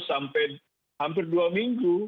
sampai hampir dua minggu